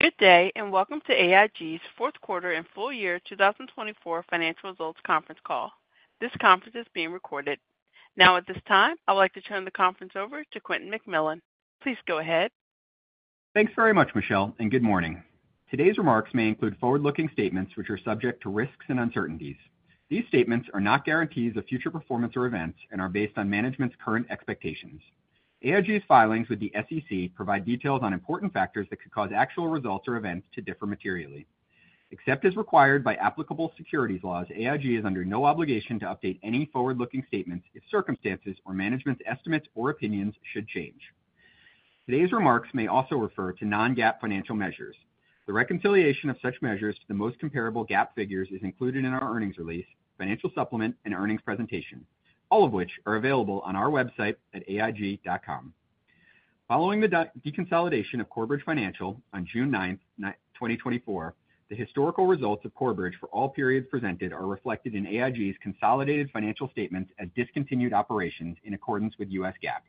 Good day and welcome to AIG's Fourth Quarter and Full Year 2024 Financial Results Conference Call. This conference is being recorded now. At this time I would like to turn the conference over to Quentin McMillan. Please go ahead. Thanks very much Michelle and good morning. Today's remarks may include forward-looking statements which are subject to risks and uncertainties. These statements are not guarantees of future performance or events and are based on management's current expectations. AIG's filings with the SEC provide details on important factors that could cause actual results or events to differ materially. Except as required by applicable securities laws, AIG is under no obligation to update any forward-looking statements if circumstances or management's estimates or opinions should change. Today's remarks may also refer to non-GAAP financial measures. The reconciliation of such measures to the most comparable GAAP figures is included in our earnings release, financial supplement and earnings presentation, all of which are available on our website at aig.com following the deconsolidation of Corebridge Financial on June 9, 2024, the. Historical results of Corebridge for all periods. Presented are reflected in AIG's consolidated financial statements as discontinued operations in accordance with U.S. GAAP.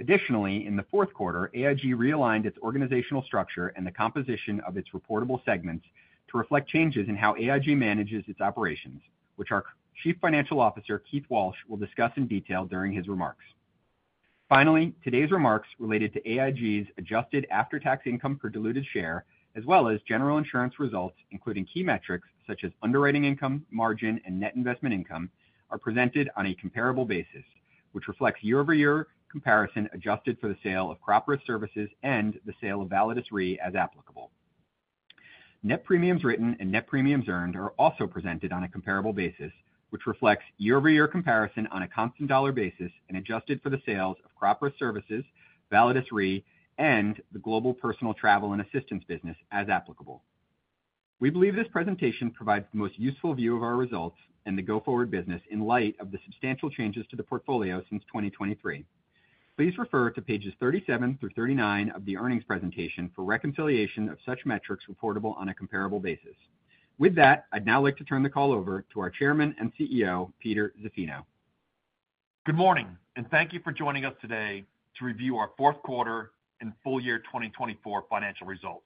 Additionally, in the fourth quarter, AIG realigned its organizational structure and the composition of its reportable segments to reflect changes in how AIG manages its operations, which our Chief Financial Officer Keith Walsh will discuss in detail during his remarks. Finally, today's remarks related to AIG's adjusted after-tax income per diluted share as well as General Insurance results including key metrics such as underwriting income margin and net investment income are presented on a comparable basis which reflects year-over-year comparison adjusted for the sale of Crop Risk Services and the sale of Validus Re as applicable. Net premiums written and net premiums earned are also presented on a comparable basis which reflects year-over-year comparison on a constant dollar basis and adjusted for the sales of Crop Risk Services, Validus Re and the Global Personal Travel and Assistance business as applicable. We believe this presentation provides the most useful view of our results and the go forward business in light of the substantial changes to the portfolio since 2023. Please refer to pages 37 through 39 of the earnings presentation for reconciliation of such metrics with reportable on a comparable basis. With that, I'd now like to turn the call over to our Chairman and CEO Peter Zaffino. Good morning and thank you for joining. Us today to review our fourth quarter. Full year 2024 financial results.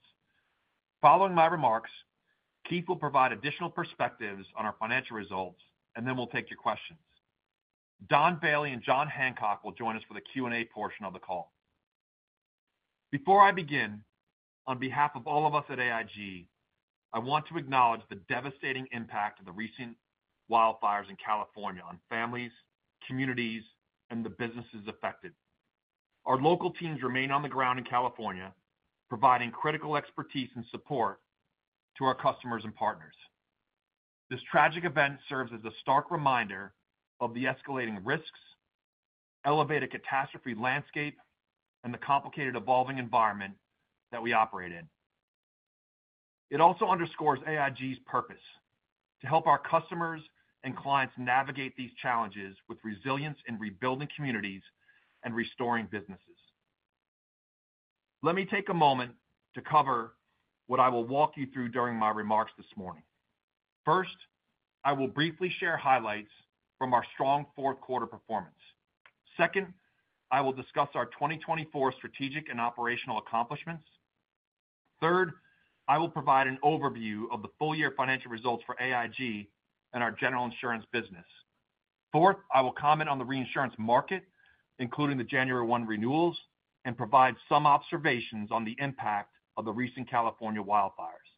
Following my remarks, Keith will provide additional. Perspectives on our financial results, and then we'll take your questions. Don Bailey and Jon Hancock will join. Us for the Q&A portion of the call. Before I begin, on behalf of all of us at AIG, I want to acknowledge the devastating impact of the recent. Wildfires in California on families, communities and the businesses affected. Our local teams remain on the ground. In California providing critical expertise and support to our customers and partners. This tragic event serves as a stark. Reminder of the escalating risks, elevated. Catastrophe landscape and the complicated evolving environment that we operate in. It also underscores AIG's purpose to help our customers and clients navigate these challenges. With resilience in rebuilding communities and restoring businesses. Let me take a moment to cover what I will walk you through during. My remarks this morning. First, I will briefly share highlights from our strong fourth quarter performance. Second, I will discuss our 2024 strategic and operational accomplishments. Third, I will provide an overview of the full year financial results for AIG and our General Insurance business. Fourth, I will comment on the reinsurance market including the January 1 renewals and provide some observations on the impact of the recent California wildfires.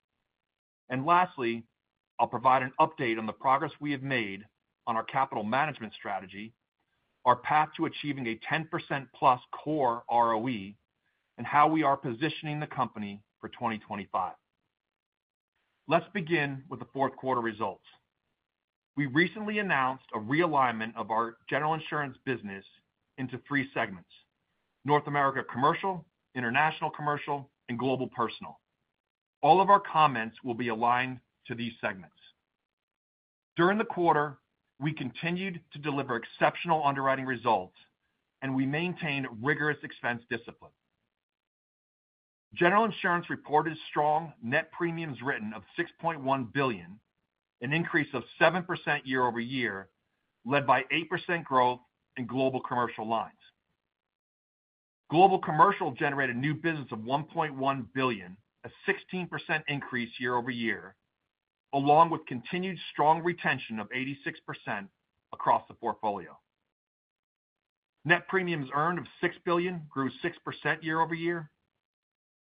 And lastly, I'll provide an update on the progress we have made on our. Capital management strategy, our path to achieving. A 10%+ core ROE and how we are positioning the company for 2025. Let's begin with the fourth quarter results. We recently announced a realignment of our. General Insurance business into three segments, North. America Commercial, International Commercial and Global Personal. All of our comments will be aligned to these segments. During the quarter we continued to deliver. Exceptional underwriting results and we maintained rigorous expense discipline. General Insurance reported strong net premiums written of $6.1 billion, an increase of 7%. Year-over-year led by 8% growth. In Global Commercial lines. Global Commercial generated new business of $1.1. Billion, a 16% increase year-over-year. Along with continued strong retention of 86% across the portfolio. Net premiums earned of $6 billion grew 6% year-over-year.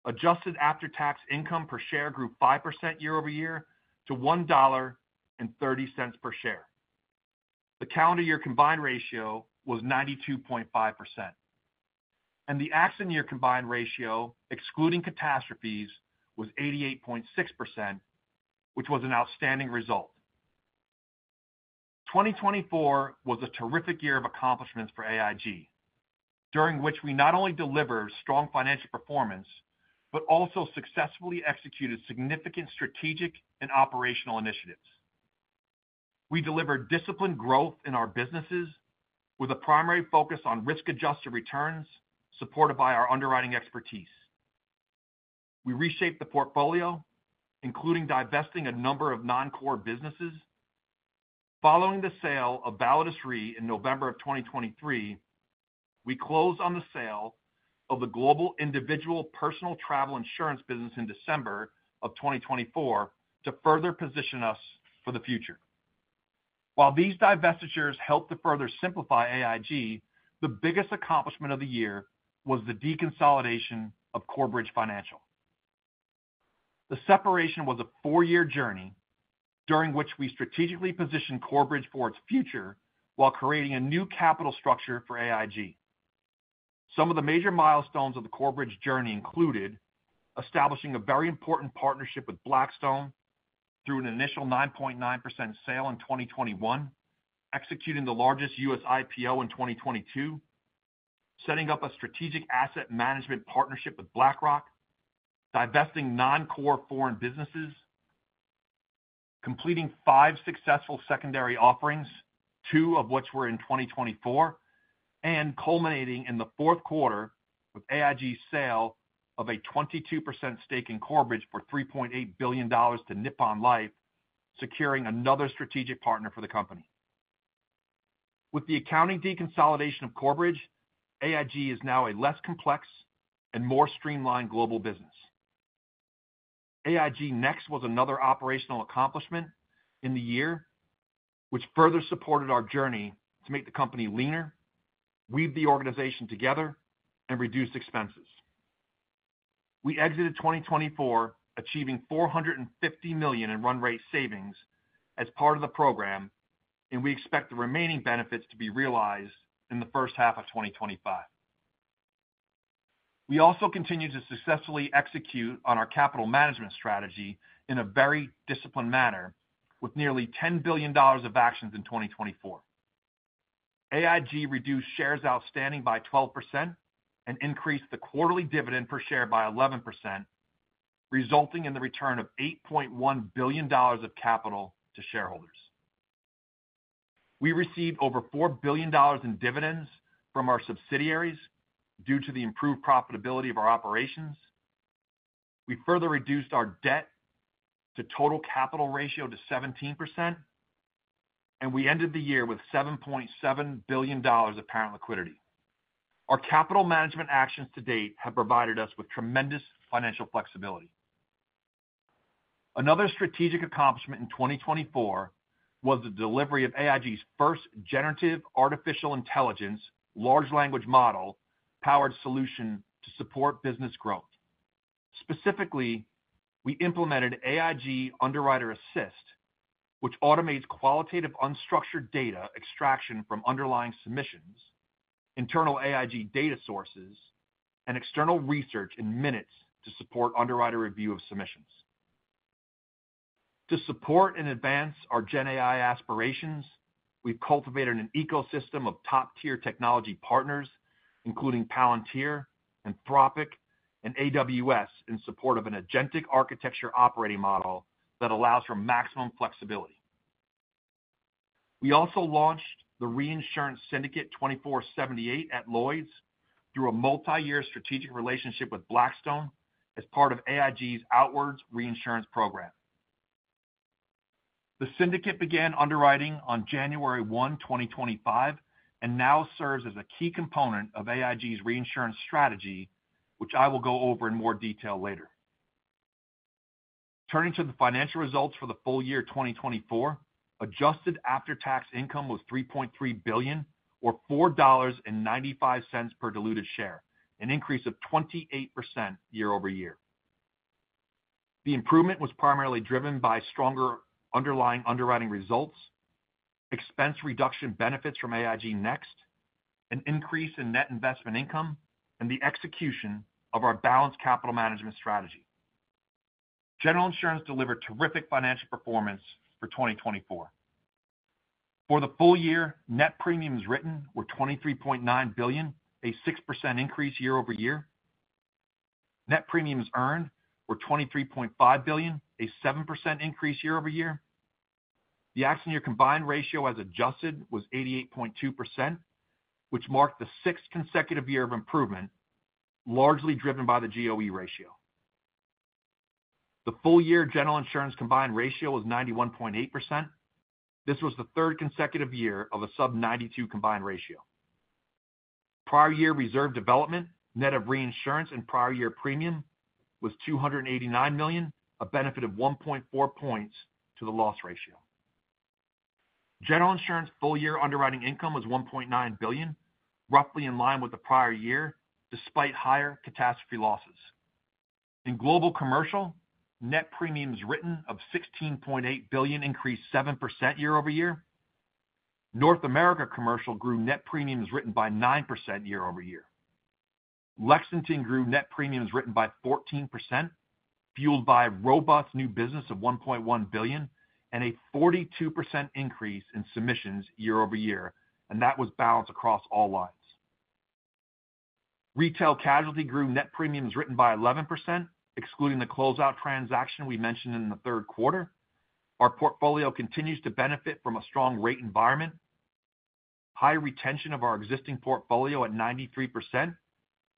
Adjusted after-tax income per share grew 5% year-over. Year to $1.30 per share. The calendar year combined ratio was 92.5% and the accident year combined ratio excluding. Catastrophes was 88.6% which was an outstanding result. 2024 was a terrific year of accomplishments. For AIG during which we not only delivered strong financial performance but also. Successfully executed significant strategic and operational initiatives. We delivered disciplined growth in our businesses with a primary focus on risk adjusted. Returns supported by our underwriting expertise. We reshaped the portfolio, including divesting a. Number of non-core businesses following the sale of Validus Re in November of 2023, we closed on the sale of. The global individual personal travel insurance business in December of 2024 to further position. Us for the future. While these divestitures helped to further simplify AIG, the biggest accomplishment of the year was the deconsolidation of Corebridge Financial. The separation was a four-year journey during which we strategically positioned Corebridge for. Its future while creating a new capital structure for AIG. Some of the major milestones of the Corebridge journey included establishing a very important partnership with Blackstone through an initial 9.9% sale in 2021, executing the largest U.S. IPO in 2022, setting up a strategic asset management partnership with BlackRock, divesting non-core foreign businesses, completing five successful secondary offerings, two of which were in 2024 and culminating in the fourth quarter with AIG sale of a 22% stake in Corebridge for $3.8 billion to Nippon Life, securing another strategic partner for the company. With the accounting deconsolidation of Corebridge, AIG is now a less complex and more streamlined global business. AIG Next was another operational accomplishment in. The year which further supported our journey. To make the company leaner, weave the organization together and reduce expenses. We exited 2024 achieving $450 million in. Run rate savings as part of the program and we expect the remaining benefits. To be realized in the first half of 2025. We also continue to successfully execute on. Our capital management strategy in a very disciplined manner. With nearly $10 billion of actions in 2024, AIG reduced shares outstanding by 12% and increased the quarterly dividend per share. By 11% resulting in the return of $8.1 billion of capital to shareholders. We received over $4 billion in dividends from our subsidiaries due to the improved. Profitability of our operations. We further reduced our debt to total capital ratio to 17% and we ended. The year with $7.7 billion apparent liquidity. Our capital management actions to date have. Provided us with tremendous financial flexibility. Another strategic accomplishment in 2024 was the delivery of AIG's first generative artificial intelligence large language model powered solution to support business growth. Specifically, we implemented AIG Underwriter Assist which. Automates qualitative unstructured data extraction from underlying. Submissions, internal AIG data sources and external research in minutes to support underwriter review of submissions. To support and advance our Gen AI aspirations, we've cultivated an ecosystem of top tier technology partners including Palantir, Anthropic and AWS in support of an agentic architecture operating. Model that allows for maximum flexibility. We also launched the Reinsurance Syndicate 2478. At Lloyd's through a multi-year strategic. Relationship with Blackstone as part of AIG's outwards reinsurance program. The syndicate began underwriting on January 1, 2025 and now serves as a key. Component of AIG's reinsurance strategy, which I will go over in more detail later. Turning to the financial results for the full year 2024, adjusted after-tax income was $3.3 billion or $4.95 per diluted. Share, an increase of 28% year-over-year. The improvement was primarily driven by stronger underlying underwriting results, expense reduction benefits from. AIG Next, an increase in net investment income and the execution of our balanced capital management strategy. General Insurance delivered terrific financial performance for 2024. For the full year net premiums written were $23.9 billion, a 6% increase year-over-year. Net premiums earned were $23.5 billion, a. 7% increase year-over-year. The accident year combined ratio as adjusted was 88.2% which marked the sixth consecutive. Year of improvement largely driven by the GOE ratio. The full year General Insurance combined ratio was 91.8%. This was the third consecutive year of. A sub-92 combined ratio. Prior year reserve development net of reinsurance and prior year premium was $289 million, a benefit of 1.4 points to the loss ratio. General Insurance full year underwriting income was. $1.9 billion roughly in line with the prior year. Despite higher catastrophe losses in Global Commercial. Net premiums written of $16.8 billion increased. 7% year-over-year. North America Commercial grew net premiums written. By 9% year-over-year. Lexington grew net premiums written by 14%, fueled by robust new business of 1.1. billion and a 42% increase in submissions. Year-over-year and that was balanced across all lines. Retail Casualty grew net premiums written by 11% excluding the closeout transaction we mentioned in the third quarter, our portfolio continues to benefit from a strong rate environment, high retention of our existing portfolio at. 93%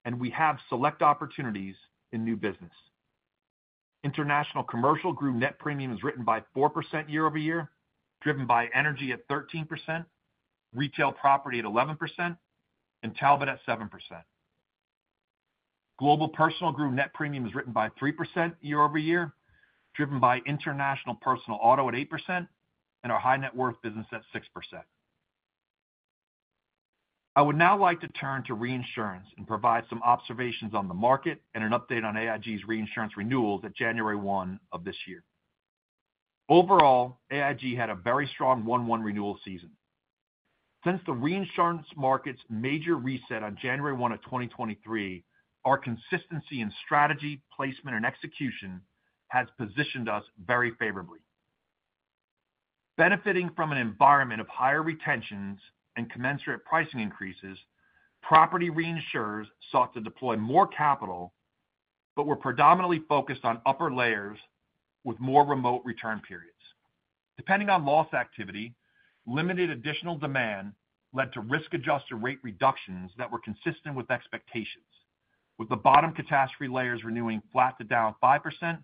and we have select opportunities in new business. International Commercial grew net premiums written. By 4% year-over-year driven by. Energy at 13%, Retail Property at 11%. Talbot at 7%. Global Personal grew net premiums written. By 3% year-over-year driven by. International Personal Auto at 8% and our. High-net-worth business at 6%. I would now like to turn to reinsurance and provide some observations on the market and an update on AIG's reinsurance. Renewals at January 1 of this year. Overall, AIG had a very strong Q1. Renewal season since the reinsurance market's major. Reset on January 1 of 2023. Our consistency in strategy, placement and execution has positioned us very favorably benefiting from. An environment of higher retentions and commensurate pricing increases. Property reinsurers sought to deploy more capital but were predominantly focused on upper layers with more remote return periods depending on loss activity. Limited additional demand led to risk adjusted. Rate reductions that were consistent with expectations. With the bottom catastrophe layers renewing flat to down 5%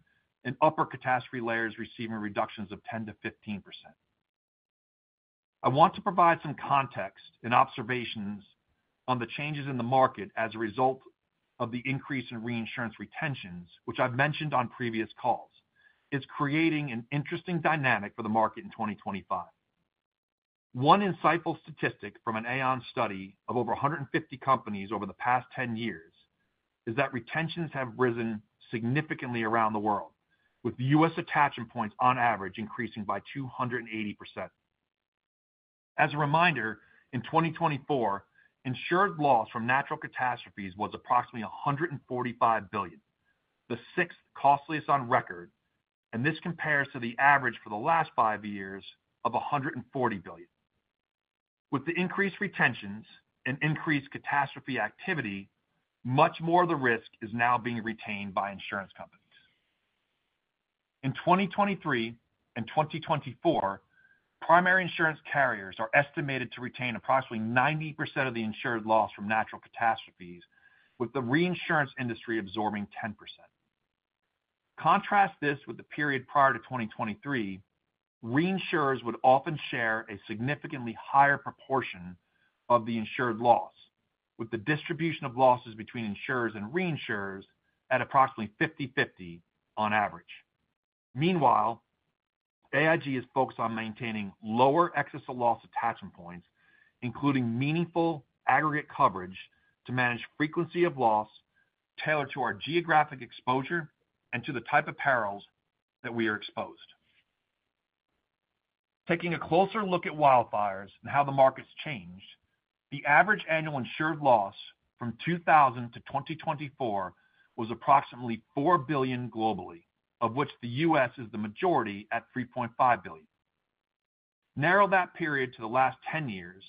and upper catastrophe layers. Receiving reductions of 10%-15%. I want to provide some context and observations. The changes in the market as a result of the increase in reinsurance retentions, which I've mentioned on previous calls, is. Creating an interesting dynamic for the market in 2025. One insightful statistic from an Aon study. Of over 150 companies over the past. 10 years is that retentions have risen significantly around the world, with U.S. attachment points on average increasing by 280%. As a reminder, in 2024, insured loss. From natural catastrophes was approximately $145 billion. The sixth costliest on record, and this compares to the average for the last five years of $140 billion. With the increased retentions and increased catastrophe. Activity, much more of the risk is now being retained by insurance companies. In 2023 and 2024, primary insurance carriers are estimated to retain approximately 90% of. The insured loss from natural catastrophes, with. The reinsurance industry absorbing 10%. Contrast this with the period prior to 2023. Reinsurers would often share a significantly higher. Proportion of the insured loss, with the. Distribution of losses between insurers and reinsurers. At approximately 50/50 on average. Meanwhile, AIG is focused on maintaining lower. Access to loss attachment points, including meaningful aggregate coverage to manage frequency of loss. Tailored to our geographic exposure and to. The type of perils that we are exposed. Taking a closer look at wildfires and how the markets changed, the average annual insured loss from 2000 to 2024 was approximately $4 billion globally, of which the U.S. is the majority at $3.5 billion. Narrow that period to the last 10. Years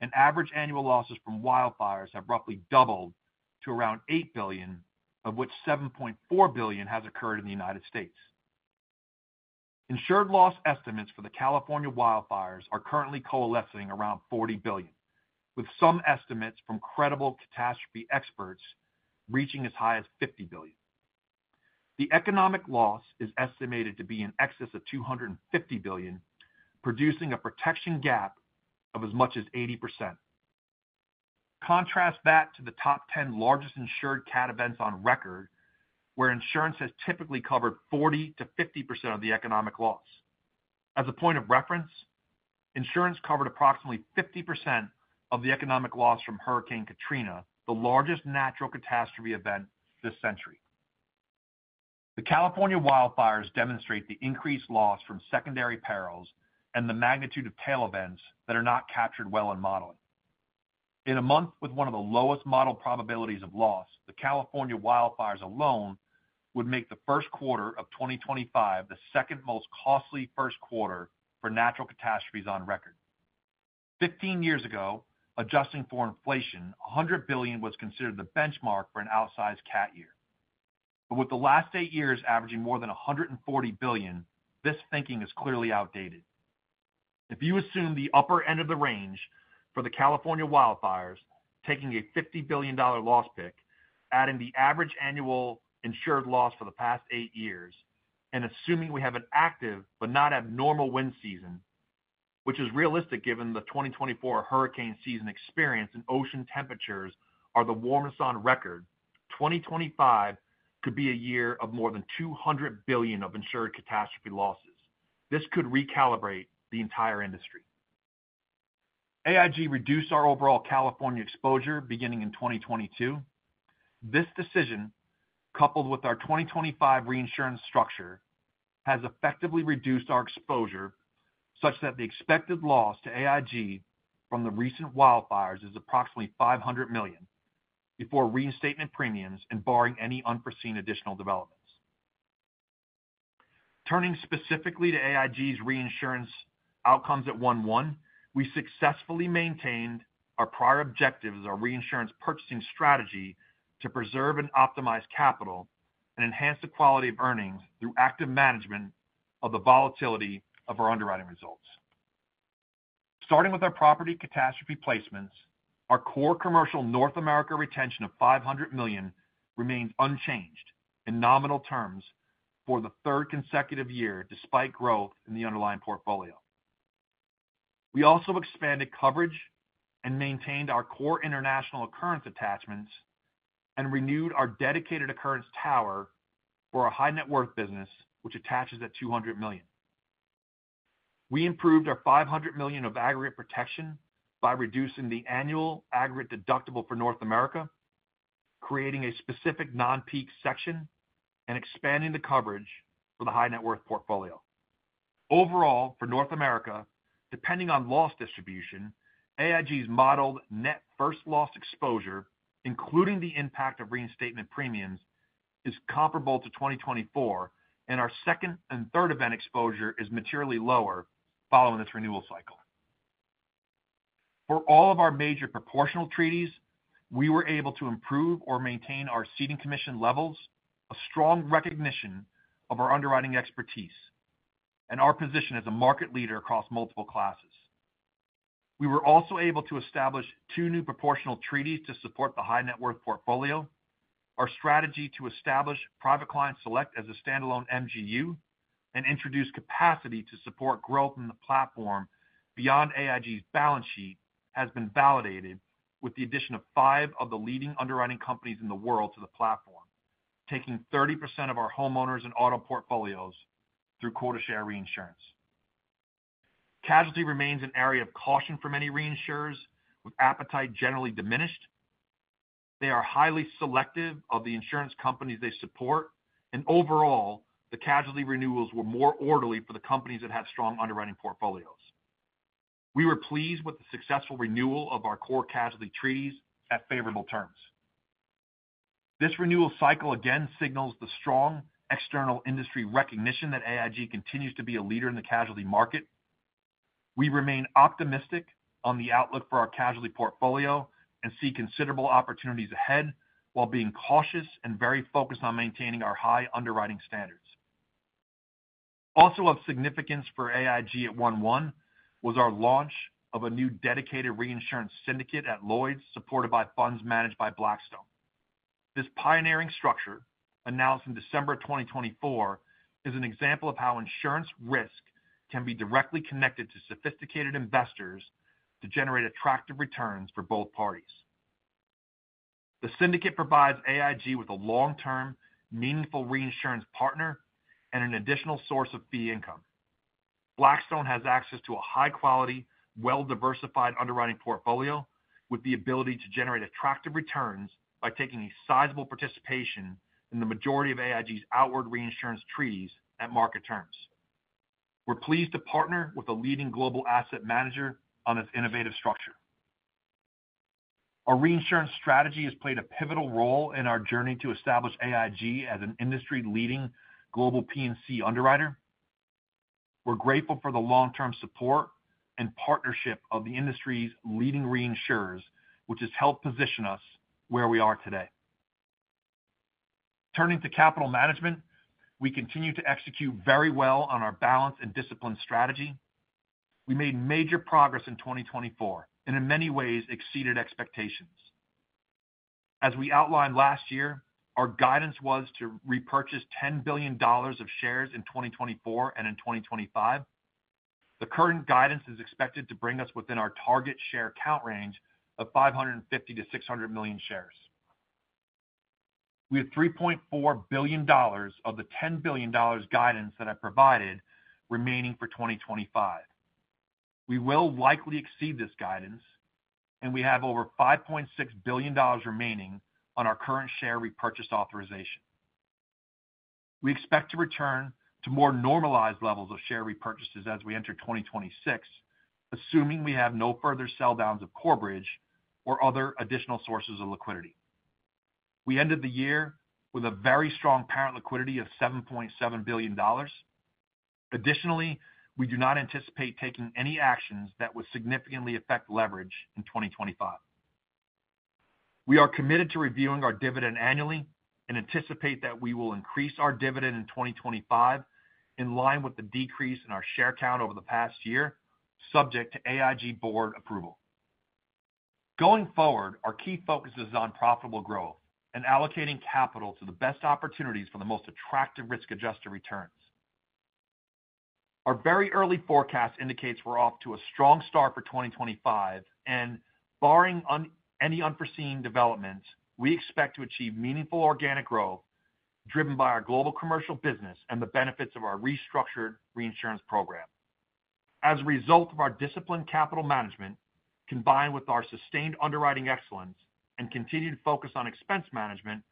and average annual losses from wildfires. Have roughly doubled to around $8 billion. Of which $7.4 billion has occurred in the United States. Insured loss estimates for the California wildfires. Are currently coalescing around $40 billion, with some estimates from credible catastrophe experts reaching as high as $50 billion. The economic loss is estimated to be. In excess of $250 billion, producing a protection gap of as much as 80%. Contrast that to the top 10 largest insured cat events on record, where insurance. Has typically covered 40%-50% of the economic loss. As a point of reference, insurance covered approximately 50% of the economic loss from. Hurricane Katrina, the largest natural catastrophe event this century. The California wildfires demonstrate the increased loss from secondary perils and the magnitude of. Tail events that are not captured well in modeling in a month. With one of the lowest model probabilities of loss, the California wildfires alone would make the first quarter of 2025 the. Second most costly first quarter for natural catastrophes on record. Fifteen years ago, adjusting for inflation, $100. Billion was considered the benchmark for an outsized CAT year. but with the last eight years averaging. More than $140 billion, this thinking is clearly outdated if you assume the upper end of the range for the California wildfires. Taking a $50 billion loss pick adding the average annual insured loss for the. Past eight years and assuming we have an active but not abnormal wind season. Which is realistic given the 2024 hurricane season experience and ocean temperatures are the warmest on record, 2025 could be a year of more than $200 billion of insured catastrophe losses. This could recalibrate the entire industry. AIG reduced our overall California exposure beginning in 2022. This decision, coupled with our 2025 reinsurance structure has effectively reduced our exposure such. That the expected loss to AIG from the recent wildfires is approximately $500 million. Before reinstatement premiums and barring any unforeseen additional developments. Turning specifically to AIG's reinsurance outcomes at 1/1. We successfully maintained our prior objectives, our reinsurance purchasing strategy to preserve and optimize capital and enhance the quality of earnings through active management of the volatility. Of our underwriting results. Starting with our property catastrophe placements, our core commercial North America retention of $500. Million remains unchanged in nominal terms for. The third consecutive year despite growth in the underlying portfolio. We also expanded coverage and maintained our. Core international occurrence attachments and renewed our dedicated occurrence tower for a high net worth business which attaches at $200 million. We improved our $500 million of aggregate protection by reducing the annual aggregate deductible for North America, creating a specific non. Peak section and expanding the coverage for. The high net worth portfolio overall for North America, depending on loss distribution, AIG's. Modeled net first loss exposure including the impact of reinstatement premiums is comparable to. 2024 and our second and third event. Exposure is materially lower. Following this renewal cycle for all of. Our major proportional treaties, we were able. To improve or maintain our ceding commission levels, a strong recognition of our underwriting expertise and our position as a market leader across multiple classes. We were also able to establish two. New proportional treaties to support the high net worth portfolio. Our strategy to establish Private Client Select as a standalone MGU and introduce. Capacity to support growth in the platform. Beyond AIG's balance sheet has been validated with the addition of five of the. Leading underwriting companies in the world to the platform. Taking 30% of our homeowners and auto. Portfolios through quota share reinsurance casualty remains an area of caution for many reinsurers. With appetite generally diminished. They are highly selective of the insurance companies they support and overall the casualty. Renewals were more orderly for the companies. That had strong underwriting portfolios. We were pleased with the successful renewal. Of our core casualty treaties at favorable terms. This renewal cycle again signals the strong external industry recognition that AIG continues to. Be a leader in the casualty market. We remain optimistic on the outlook for our casualty portfolio and see considerable opportunities. Ahead while being cautious and very focused. On maintaining our high underwriting standards. Also of significance for AIG at one. One was our launch of a new. Dedicated reinsurance syndicate at Lloyd's. Supported by funds managed by Blackstone. This pioneering structure, announced in December 2024, is an example of how insurance risk can be directly connected to sophisticated investors to generate attractive returns for both parties. The syndicate provides AIG with a long-term meaningful reinsurance partner and an additional. Source of fee income. Blackstone has access to a high-quality, well-diversified underwriting portfolio with the ability. To generate attractive returns by taking a. Sizable participation in the majority of AIG's outward reinsurance treaties. At market terms, we're pleased to partner with a leading global asset manager on its innovative structure. Our reinsurance strategy has played a pivotal role in our journey to establish AIG. As an industry-leading global P&C underwriter. We're grateful for the long term support and partnership of the industry's leading reinsurers. Which has helped position us where we are today. Turning to capital management, we continue to execute very well on our balance and discipline strategy. We made major progress in 2024 and. In many ways exceeded expectations. As we outlined last year, our guidance was to repurchase $10 billion of shares in 2024 and in 2025. The current guidance is expected to bring. Us within our target share count range. Of 550 million-600 million shares. We have $3.4 billion of the $10. Billion guidance that I provided remaining for 2025. We will likely exceed this guidance. We have over $5.6 billion remaining on our current share repurchase authorization. We expect to return to more normalized. Levels of share repurchases as we enter. 2026, assuming we have no further sale. Downs of Corebridge or other additional sources of liquidity. We ended the year with a very strong parent liquidity of $7.7 billion. Additionally, we do not anticipate taking any. Actions that would significantly affect leverage in 2025. We are committed to reviewing our dividend. Annually and anticipate that we will increase. Our dividend in 2025, in line with. The decrease in our share count over the past year, subject to AIG Board approval. Going forward, our key focus is on. Profitable growth and allocating capital to the best opportunities for the most attractive risk-adjusted returns. Our very early forecast indicates we're off to a strong start for 2025 and barring any unforeseen developments, we expect to achieve meaningful organic growth driven by our Global Commercial business and the benefits of. Our restructured reinsurance program. As a result of our disciplined capital. Management combined with our sustained underwriting excellence. And continued focus on expense management,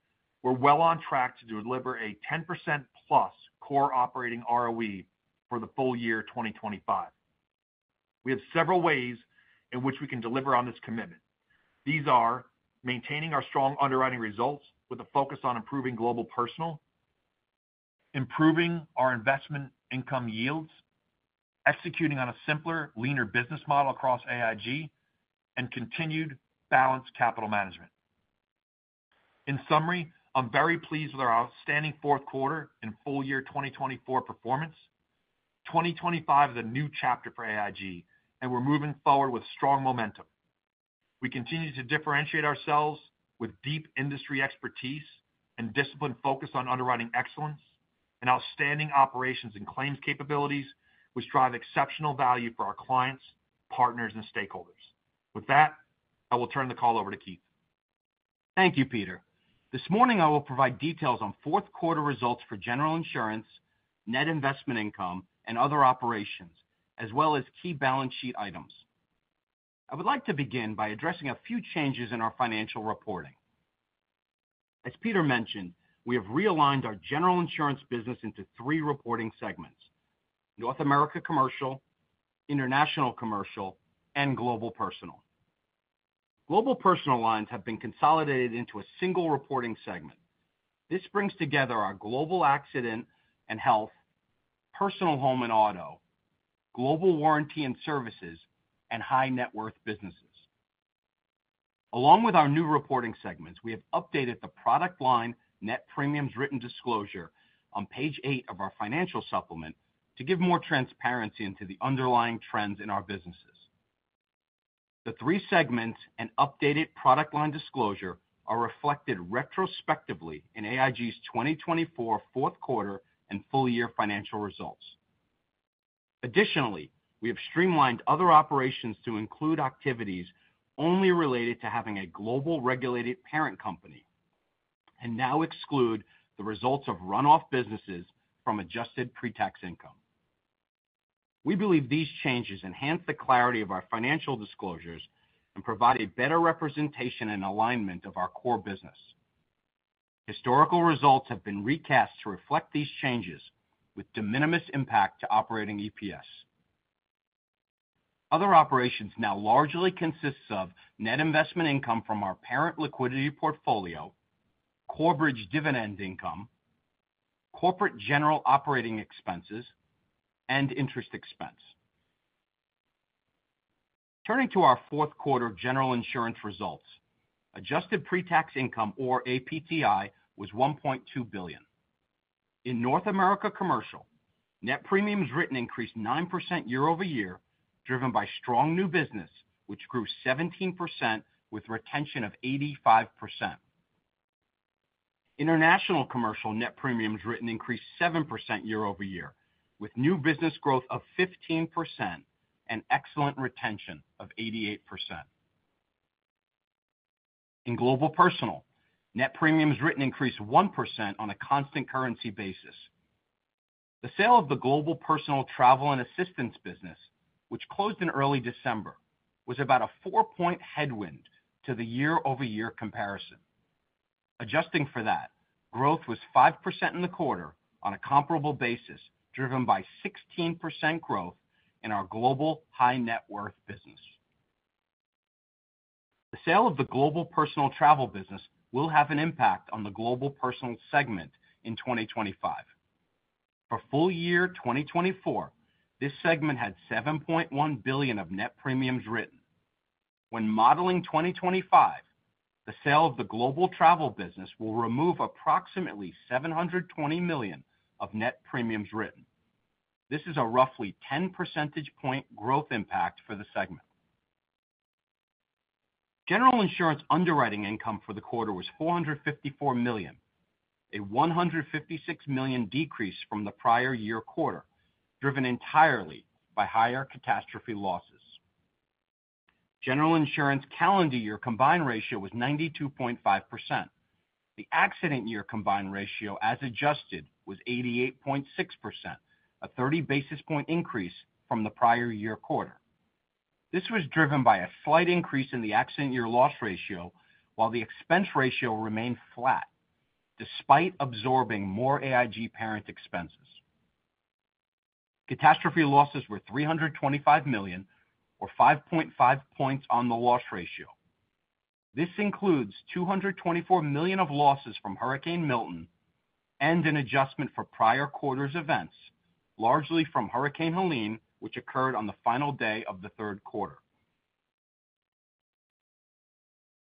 we're. On track to deliver a 10%+ core operating ROE for the full year 2025. We have several ways in which we. Can deliver on this commitment. These are maintaining our strong underwriting results with a focus on improving global personal, improving our investment income yields, executing on a simpler, leaner business model across AIG and continued balanced capital management. In summary, I'm very pleased with our outstanding fourth quarter and full year 2024 performance. 2025 is a new chapter for AIG and we're moving forward with strong momentum. We continue to differentiate ourselves with deep industry expertise and disciplined focus on underwriting. Excellence and outstanding operations and claims capabilities. Which drive exceptional value for our clients, partners and stakeholders. With that, I will turn the call over to Keith. Thank you Peter. This morning I will provide details on fourth quarter results for General Insurance, net investment income and other operations as well as key balance sheet items. I would like to begin by addressing a few changes in our financial reporting. As Peter mentioned, we have realigned our General Insurance business into three reporting segments, North America Commercial, International Commercial, and Global Personal. Global Personal lines have been consolidated into a single reporting segment. This brings together our Global Accident and. Health, Personal, Home and Auto, Global Warranty. And Services and high net worth businesses. Along with our new reporting segments. We have updated the product line net premiums written disclosure on page 8 of our financial supplement to give more transparency into the underlying trends in our businesses. The three segments and updated product line disclosure are reflected retrospectively in AIG's 2024 Fourth Quarter and Full Year Financial Results. Additionally, we have streamlined other operations to include activities only related to having a global regulated parent company and now exclude the results of runoff businesses from adjusted pretax income. We believe these changes enhance the clarity of our financial disclosures and provide a better representation and alignment of our core business. Historical results have been recast to reflect these changes with de minimis impact to operating eps. Other operations now largely consists of net investment income from our parent liquidity portfolio, Corebridge dividend income, corporate general operating expenses and interest expense. Turning to our fourth quarter General Insurance results, adjusted pre-tax income or APTI was $1.2 billion. In North America Commercial net premiums written increased 9% year-over-year driven by strong new business which grew 17% with retention of 85%. International Commercial net premiums written increased 7%. Year-over-year with new business growth. Of 15% and excellent retention of 88%. In Global Personal, net premiums written increased 1% on a constant currency basis. The sale of the Global Personal Travel and Assistance business, which closed in early December, was about a four-point headwind to the year-over-year comparison. Adjusting for that, growth was 5% in the quarter on a comparable basis driven by 16% growth in our Global High Net Worth business. The sale of the Global Personal Travel business will have an impact on the Global Personal segment in 2025. For full year 2024, this segment had $7.1 billion of net premiums written. When modeling 2025, the sale of the Global Travel business will remove approximately $720 million net premiums written. This is a roughly 10 percentage point growth impact for the segment. General Insurance underwriting income for the quarter was $454 million, a $156 million decrease from the prior year quarter driven entirely by higher catastrophe losses. General Insurance calendar year combined ratio was 92.5%. The accident year combined ratio as adjusted was 88.6%, a 30 basis point increase from the prior year quarter. This was driven by a slight increase in the accident year loss ratio while the expense ratio remained flat despite absorbing more AIG parent expenses. Catastrophe losses were $325 million or 5.5 points on the loss ratio. This includes $224 million of losses from Hurricane Milton and an adjustment for prior quarter's events largely from Hurricane Helene which occurred on the final day of the third quarter.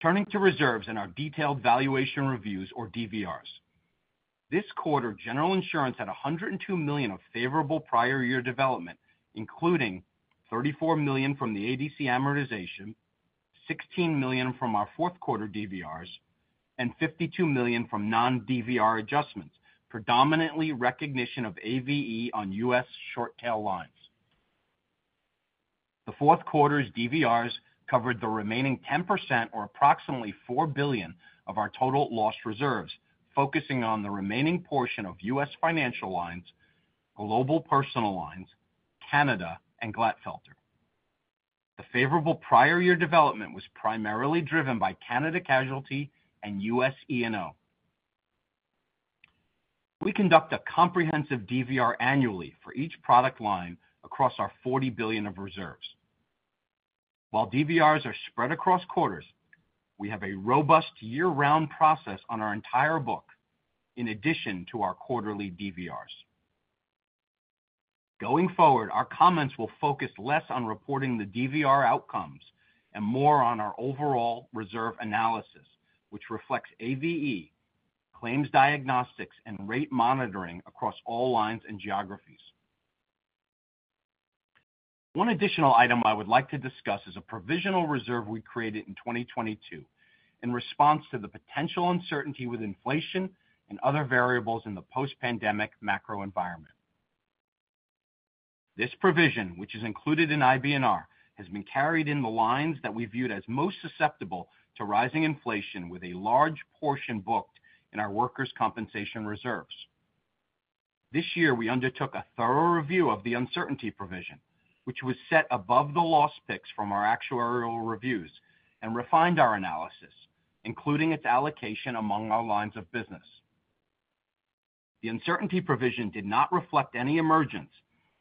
Turning to reserves and our detailed valuation reviews or DVRs, this quarter General Insurance had $102 million of favorable prior year development, including $34 million from the ADC amortization, $16 million from our fourth quarter DVRs and $52 million from non DVR adjustments. Predominantly recognition of AVE on U.S. short tail lines, the fourth quarter's DVRs covered the remaining 10% or approximately $4 billion. Of our total loss reserves. Focusing on the remaining portion of U.S. Financial Lines, Global Personal Lines, Canada and Glatfelter, the favorable prior year development was primarily driven by Canada Casualty and U.S. E&O. We conduct a comprehensive DVR annually for each product line across our $40 billion of reserves. While DVRs are spread across quarters, we have a robust year-round process on our entire book in addition to our quarterly DVRs. Going forward, our comments will focus less on reporting the DVR outcomes and more on our overall reserve analysis which reflects AVE claims diagnostics and rate monitoring across all lines and geographies. One additional item I would like to discuss is a provisional reserve we created in 2022 in response to the potential uncertainty with inflation and other variables in the post-pandemic macro environment. This provision, which is included in IBNR, has been carried in the lines that we viewed as most susceptible to rising inflation with a large portion booked in our workers compensation reserves. This year we undertook a thorough review of the uncertainty provision which was set above the loss picks from our actuarial reviews and refined our analysis including its allocation among our lines of business. The uncertainty provision did not reflect any emergence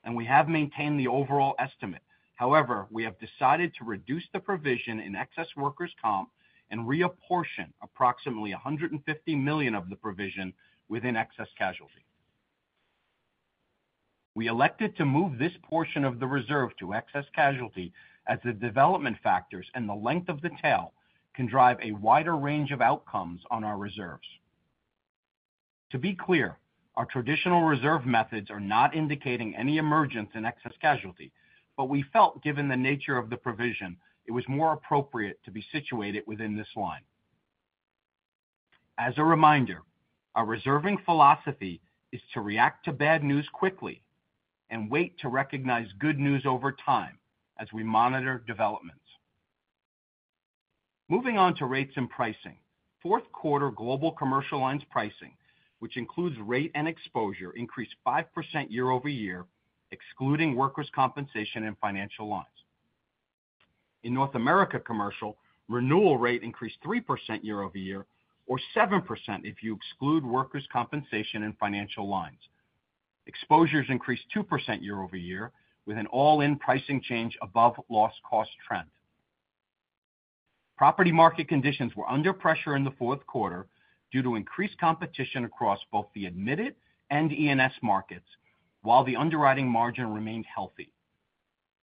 and we have maintained the overall estimate. However, we have decided to reduce the provision in excess workers comp and reapportion approximately $150 million of the provision within excess casualty. We elected to move this portion of the reserve to excess casualty as the development factors and the length of the tail can drive a wider range of outcomes on our reserves. To be clear, our traditional reserve methods are not indicating any emergence in excess casualty, but we felt given the nature. Of the provision it was more appropriate. To be situated within this line. As a reminder, our reserving philosophy is to react to bad news quickly and wait to recognize good news over time as we monitor developments. Moving on to rates and pricing. Fourth quarter Global Commercial lines pricing, which includes rate and exposure, increased 5% year-over-year excluding workers' compensation and Financial Lines. In North America, commercial renewal rate increased 3% year-over-year or 7% if you exclude workers' compensation and Financial Lines. Exposures increased 2% year-over-year with an all-in pricing change above loss cost trend. Property market conditions were under pressure in the fourth quarter due to increased competition across both the admitted and E&S markets, while the underwriting margin remained healthy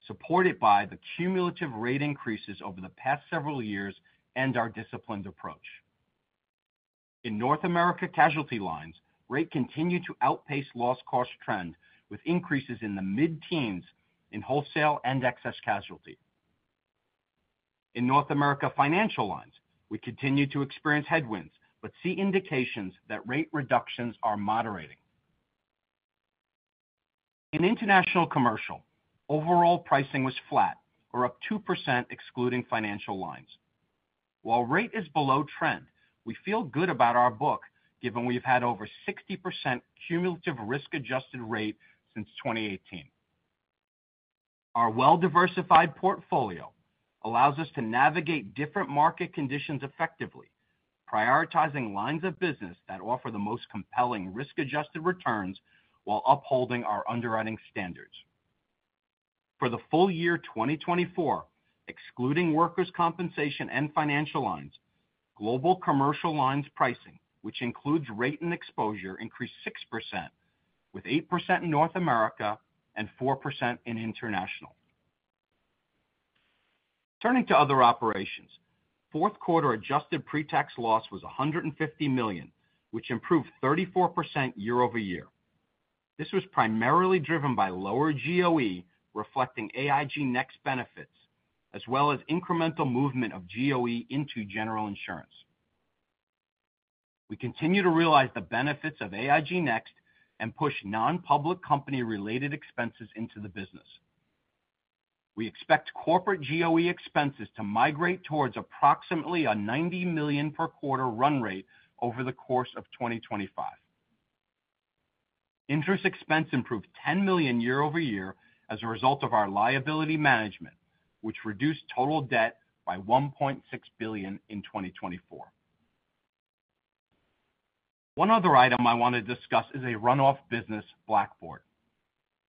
supported by the cumulative rate increases over the past several years and our disciplined approach. In North America casualty lines, rate continued to outpace loss cost trend with increases in the mid teens in wholesale and excess casualty in North America Financial Lines. We continue to experience headwinds but see indications that rate reductions are moderating in International Commercial. Overall pricing was flat or up 2% excluding Financial Lines while rate is below trend. We feel good about our book given we've had over 60% cumulative risk adjusted rate since 2018. Our well-diversified portfolio allows us to navigate different market conditions, effectively prioritizing lines of business that offer the most compelling risk-adjusted returns while upholding our underwriting standards. For the full year 2024, excluding workers' compensation and Financial Lines, Global Commercial lines pricing, which includes rate and exposure, increased 6% with 8% in North America and 4% in International. Turning to other operations, fourth quarter adjusted pre-tax loss was $150 million, which improved 34% year-over-year. This was primarily driven by lower GOE reflecting AIG Next benefits as well as incremental movement of GOE into General Insurance. We continue to realize the benefits of AIG Next and push non-public company related expenses into the business. We expect corporate GOE expenses to migrate towards approximately a $90 million per quarter run rate over the course of 2025. Interest expense improved $10 million year-over. Year as a result of our liability. Management which reduced total debt by $1.6 billion in 2024. One other item I want to discuss. Is a run-off business Blackboard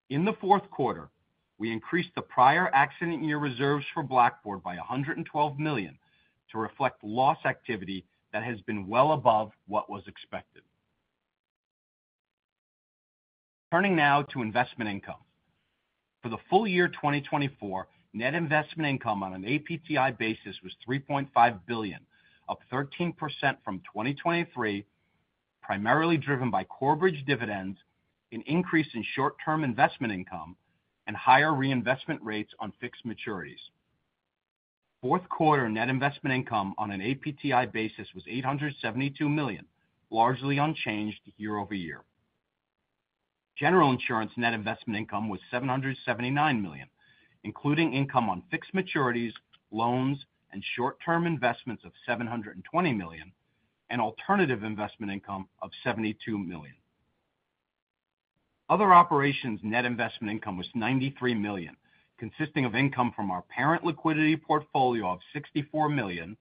in the? Fourth quarter we increased the prior accident year reserves for Blackboard by $112 million to reflect loss activity that has been. Well above what was expected. Turning now to investment income for the full year 2024, net investment income on an APTI basis was $3.5 billion, up 13% from 2023, primarily driven by Corebridge dividends, an increase in short term investment income and higher reinvestment rates on fixed maturities. Fourth quarter net investment income on an APTI basis was $872 million, largely unchanged year-over-year. General Insurance net investment income was $779 million including income on fixed maturities, loans and short term investments of $720 million and alternative investment income of $72 million. Other operations net investment income was $93 million consisting of income from our parent liquidity portfolio of $64 million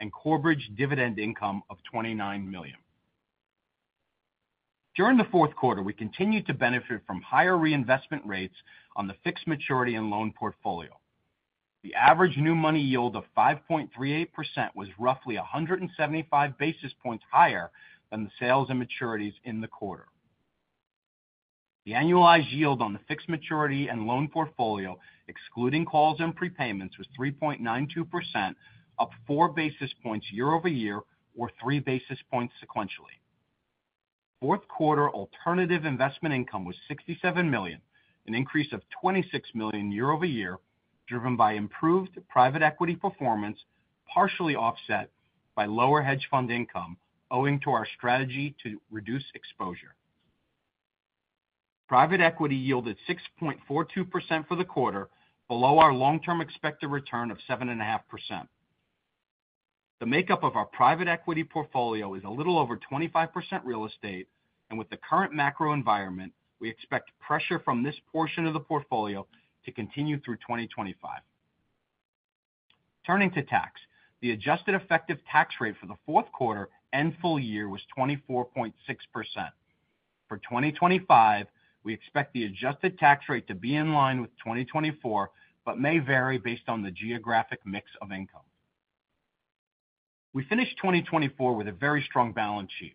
and Corebridge dividend income of $29 million. During the fourth quarter we continued to benefit from higher reinvestment rates on the fixed maturity and loan portfolio. The average new money yield of 5.38% was roughly 175 basis points higher than the sales and maturities in the quarter. The annualized yield on the fixed maturity and loan portfolio, excluding calls and prepayments, was 3.92%, up four basis points year-over-year or three basis points sequentially. Fourth quarter alternative investment income was $67 million, an increase of $26 million year-over-year driven by improved private equity performance partially offset by lower hedge fund income. Owing to our strategy to reduce exposure. Private equity yielded 6.42% for the quarter below our long term expected return of 7.5%. The makeup of our private equity portfolio is a little over 25% real estate, and with the current macro environment we expect pressure from this portion of the portfolio to continue through 2025. Turning to tax the adjusted effective tax rate for the fourth quarter and full year was 24.6% for 2025. We expect the adjusted tax rate to be in line with 2024, but may vary based on the geographic mix of income. We finished 2024 with a very strong balance sheet.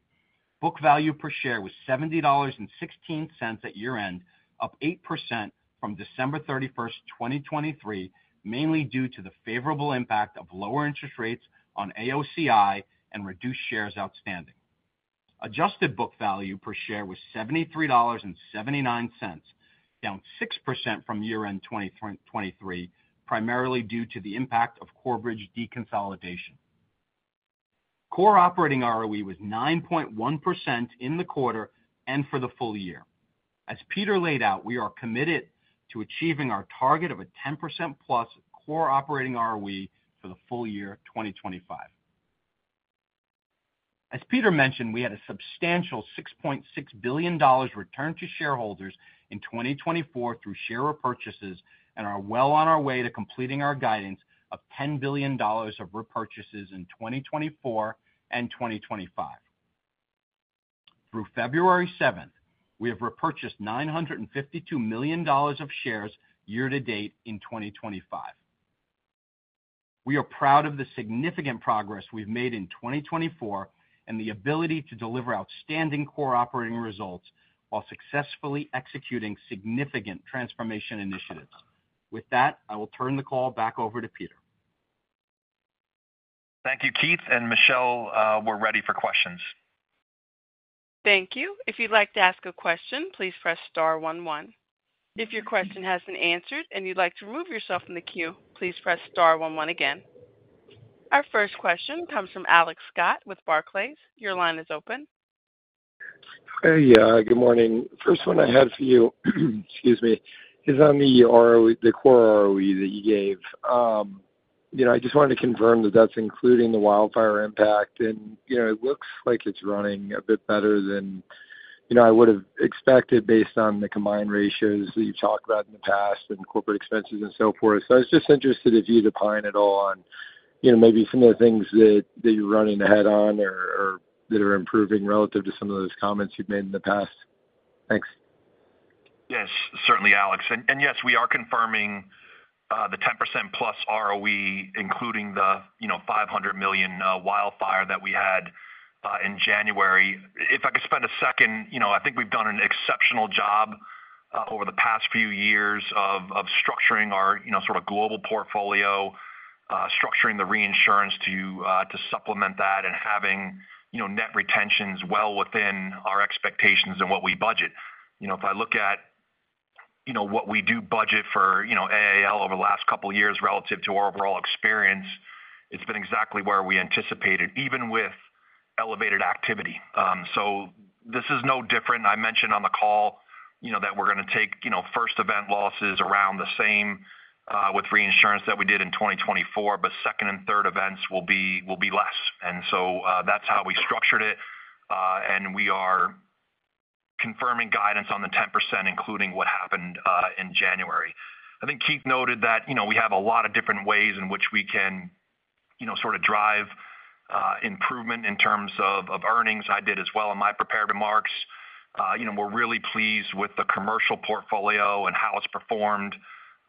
Book value per share was $70.16 at year end, up 8% from December 31, 2023, mainly due to the favorable impact of lower interest rates on AOCI and reduced shares. Outstanding adjusted book value per share was. $73.79, down 6% from year end 2023, primarily due to the impact of Corebridge deconsolidation. Core operating ROE was 9.1% in the quarter and for the full year. As Peter laid out, we are committed to achieving our target of a 10%+ core operating ROE for the full year 2025. As Peter mentioned, we had a substantial $6.6 billion return to shareholders in 2024 through share repurchases and are well on our way to completing our guidance of $10 billion of repurchases in 2024 and 2025 through February 7. We have repurchased $952 million of shares year to date in 2025. We are proud of the significant progress we've made in 2024 and the ability to deliver outstanding core operating results while successfully executing significant transformation initiatives. With that, I will turn the call. Back over to Peter. Thank you Keith and Michelle. We're ready for questions. Thank you. If you'd like to ask a question, please press star one one. If your question has been answered and you'd like to remove yourself from the queue, please press star one one again. Our first question comes from Alex Scott with Barclays. Your line is open. Hey, good morning. First one I had for you, excuse me, is on the core ROE that you gave. I just wanted to confirm that that's including the wildfire impact and it looks like it's running a bit better than I would have expected based on the combined ratios that you've talked about in the past and corporate expenses and so forth. So I was just interested if you elaborate at all on maybe some of the things that you're running ahead on or that are improving relative to some of those comments you've made in the past? Thanks. Yes, certainly, Alex. And yes, we are confirming the 10%+ ROE, including the $500 million wildfire that we had in January. If I could spend a second. I think we've done an exceptional job over the past few years of structuring our global portfolio, structuring the reinsurance to supplement that, and having net retentions well within our expectations and what we budget. If I look at what we do budget for AAL over the last couple years, relative to our overall experience, it's been exactly where we anticipated, even with elevated activity. So this is no different. I mentioned on the call that we're going to take first event losses around the same with reinsurance that we did in 2024, but second and third events will be less. And so that's how we structured it. We are confirming guidance on the 10%, including what happened in January. I think Keith noted that we have a lot of different ways in which we can sort of drive improvement in terms of earnings. I did as well in my prepared remarks. We're really pleased with the commercial portfolio and how it's performed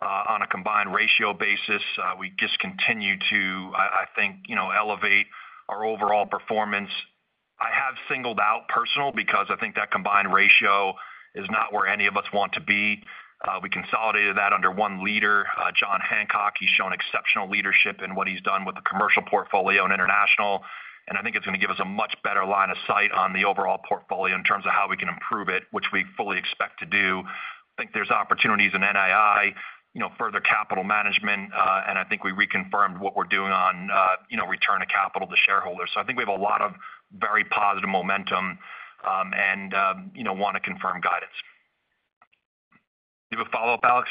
on a combined ratio basis. We just continue to, I think, elevate our overall performance. I have singled out personal because I think that combined ratio is not where any of us want to be. We consolidated that under one leader, Jon Hancock. He's shown exceptional leadership in what he's done with the commercial portfolio and international, and I think it's going to give us a much better line of sight on the overall portfolio in terms of how we can improve it, which we fully expect to do. I think there's opportunities in NII further capital management, and I think we reconfirmed what we're doing on return of capital to shareholders. So I think we have a lot of very positive momentum and want to confirm guidance. Do you have a follow up, Alex?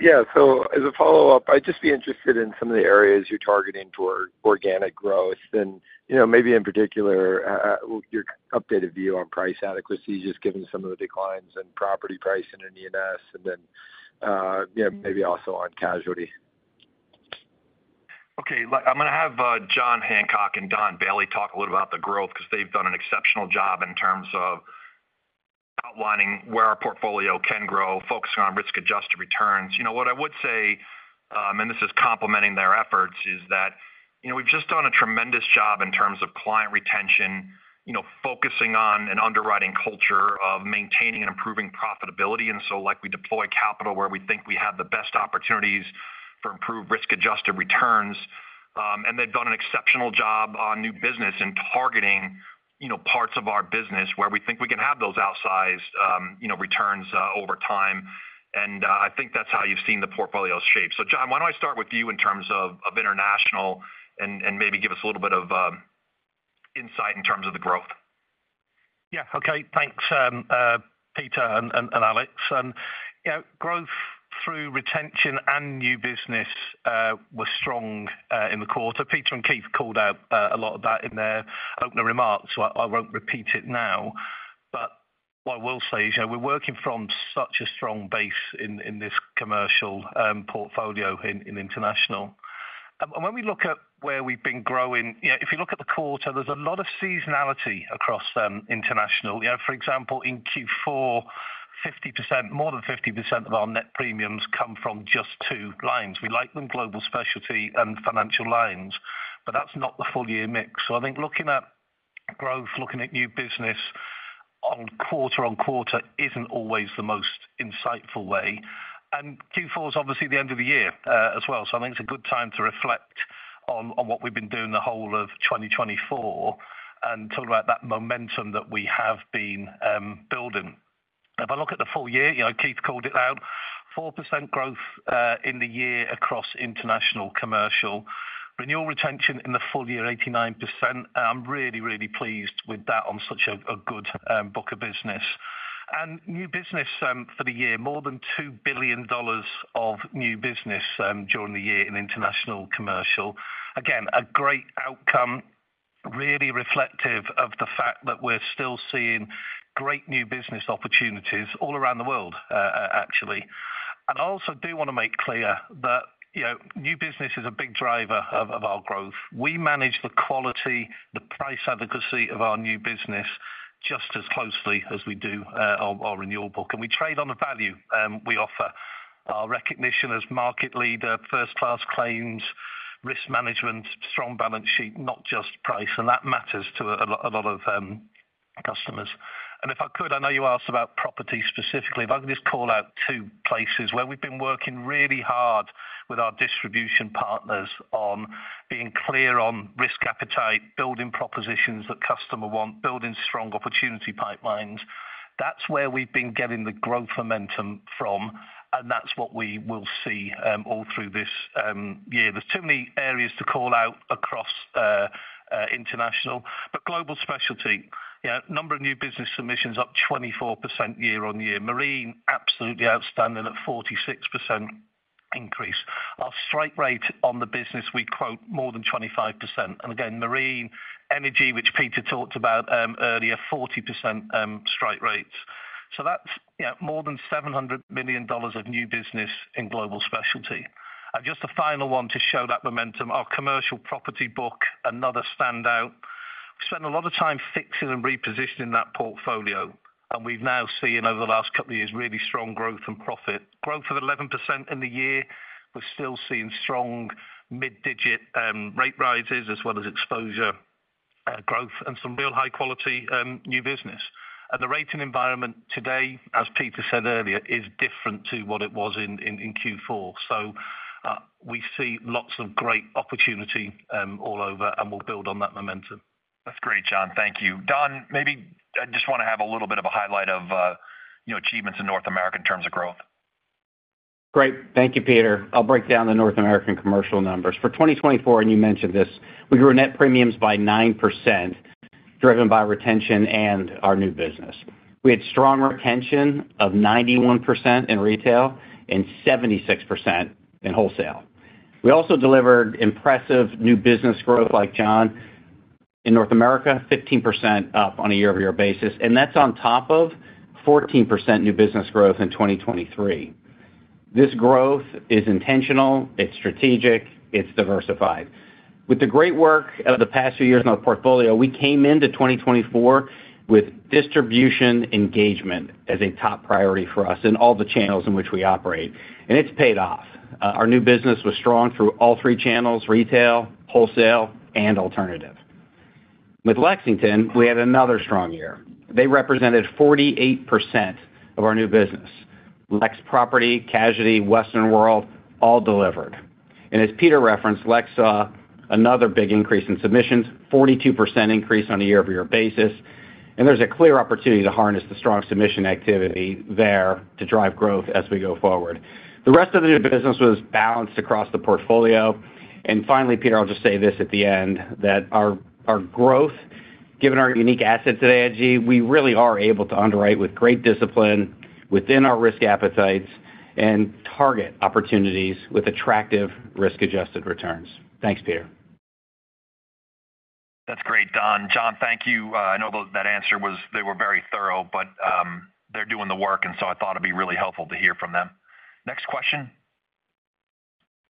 Yeah. So as a follow up, I'd just be interested in some of the areas you're targeting for organic growth and maybe in particular your updated view on price. Adequacy, just given some of the declines. In property pricing and E&S and then. Maybe also on casualty. Okay. I'm going to have Jon Hancock and Don Bailey talk a little about the growth because they've done an exceptional job in terms of outlining where our portfolio can grow, focusing on risk adjusted returns. What I would say, and this is complementing their efforts, is that we've just done a tremendous job in terms of client retention, focusing on an underwriting culture of maintaining and improving profitability, and so we deploy capital where we think we have the best opportunity, opportunities for improved risk adjusted returns, and they've done an exceptional job on new business in targeting parts of our business where we think we can have those outsized returns over time, and I think that's how you've seen the portfolio shape. So Jon, why don't I start with you in terms of international and maybe give us a little bit of insight in terms of the growth. Yeah, okay, thanks, Peter and Alex. Growth through retention and new business was strong in the quarter. Peter and Keith called out a lot of that in their opening remarks. I won't repeat it now, but what I will say is we're working from such a strong base in this commercial portfolio in international. When we look at where we've been growing, if you look at the quarter, there's a lot of seasonality across international. For example, in Q4 for 50%, more than 50% of our net premiums come from just two lines. We like them global, specialty and Financial Lines. But that's not the full year mix. So I think looking at growth, looking at new business on quarter, on quarter isn't always the most insightful way. And Q4 is obviously the end of the year as well. I think it's a good time to reflect on what we've been doing the whole of 2024 and talk about that momentum that we have been building. If I look at the full year, Keith called it out, 4% growth in the year across International Commercial renewal retention in the full year, 89%. I'm really, really pleased with that. On such a good book of business and new business for the year. More than $2 billion of new business during the year in International Commercial. Again, a great outcome. Really reflective of the fact that we're still seeing great new business opportunities all around actually. I also do want to make clear that new business is a big driver of our growth. We manage the quality, the price advocacy of our new business just as closely as we do our renewal book. And we trade on the value we offer. Our recognition as market leader, first class claims, risk management, strong balance sheet, not just price. And that matters to a lot of customers. And if I could, I know you asked about property specifically. If I could just call out two places where we've been working really hard with our distribution partners on being clear on risk appetite, building propositions that customer want, building strong opportunity pipelines. That's where we've been getting the growth momentum from. And that's what we will see all through this year. There's too many areas to call out across the international but Global Specialty. Number of new business submissions up 24% year-on-year. Marine absolutely outstanding at 46% increase our strike rate on the business. We quote more than 25%. And again Marine Energy, which Peter talked about earlier, 40% strike rates. So that's more than $700 million of new business in Global Specialty. Just a final one to show that momentum. Our commercial property book, another standout. Spend a lot of time fixing and repositioning that portfolio. And we've now seen over the last couple of years really strong growth and profit growth of 11% in the year. We're still seeing strong mid digit rate rises as well as exposure growth and some real high quality new business. And the rating environment today, as Peter said earlier, is different to what it was in Q4. So we see lots of great opportunity all over and we'll build on that momentum. That's great, Jon. Thank you, Don. Maybe I just want to have a little bit of a highlight of achievements in North America in terms of growth. Great, thank you, Peter. I'll break down the North American commercial numbers for 2024, and you mentioned this. We grew net premiums by 9% driven by retention and our new business. We had strong retention of 91% in retail and 76% in wholesale. We also delivered impressive new business growth like Jon in North America, 15% up on a year-over-year basis, and that's on top of 14% new business growth in 2023. This growth is intentional, it's strategic, it's diversified. With the great work of the past few years in our portfolio, we came into 2024 with distribution engagement as a top priority for us in all the channels in which we operate, and it's paid off. Our new business was strong through all three channels, retail, wholesale and alternative. With Lexington, we had another strong year. They represented 48% of our new business. Lex Property Casualty, Western World, all delivered. As Peter referenced, Lex saw another big increase in submissions. 42% increase on a year-over-year basis. There's a clear opportunity to harness the strong submission activity there to drive growth as we go forward. The rest of the new business was balanced across the portfolio. Finally, Peter, I'll just say this at the end that our growth, given our unique assets at AIG, we really are able to underwrite with great discipline within our risk appetites and target opportunities with attractive risk-adjusted returns. Thanks Peter. That's great. Don. Jon, thank you. I know that answer was they were very thorough, but they're doing the work and so I thought it'd be really helpful to hear from them. Next question.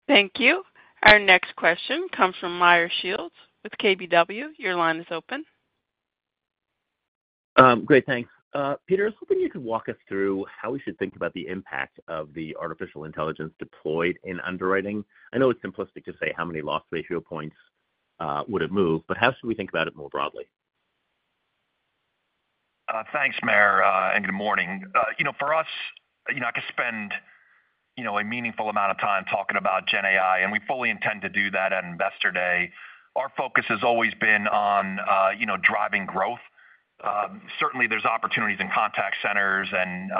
Thank you. Our next question comes from Meyer Shields with KBW. Your line is open. Great, thanks. Peter, I was hoping you could walk us through how we should think about. The impact of the artificial intelligence deployed in underwriting. I know it's simplistic to say how. many loss ratio points would it move? But how should we think about it more broadly? Thanks, Meyer, and good morning. For us, I could spend a meaningful amount of time talking about Gen AI and we fully intend to do that at Investor Day. Our focus has always been on driving growth. Certainly there's opportunities in contact centers and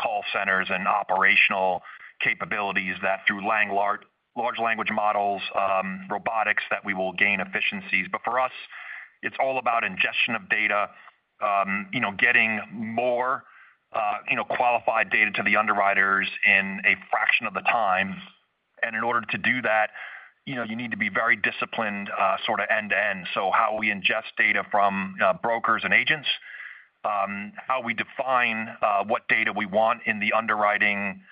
call centers and operational capabilities that through large language models, robotics, that we will gain efficiencies. But for us, it's all about ingestion of data, getting more qualified data to the underwriters in a fraction of the time. And in order to do that, you need to be very disciplined, sort of end to end. So how we ingest data from brokers and agents, how we define what data we want in the underwriting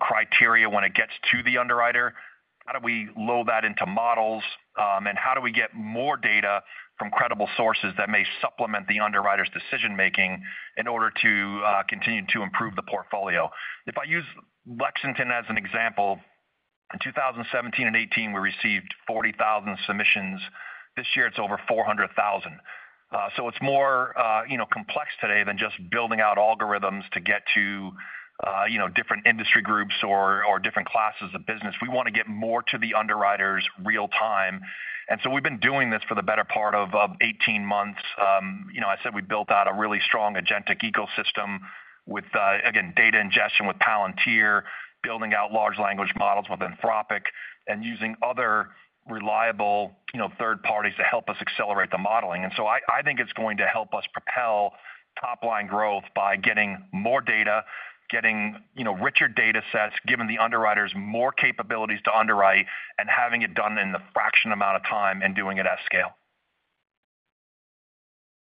criteria, when it gets to the underwriter, how do we load that into models? How do we get more data from credible sources that may supplement the underwriter's decision making in order to continue to improve the portfolio? If I use Lexington as an example, in 2017 and 2018 we received 40,000 submissions. This year it's over 400,000. So it's more complex today than just building out algorithms to get to, you know, different industry groups or different classes of business. We want to get more to the underwriters real time. And so we've been doing this for the better part of 18 months. You know, I said we built out a really strong agentic ecosystem with again data ingestion with Palantir, building out large language models with Anthropic and using other reliable, you know, third parties to help us accelerate the modeling. And so I think it's going to help us propel top line growth by getting more data, getting richer data sets, giving the underwriters more capabilities to underwrite and having it done in the fraction amount of time and doing it at scale.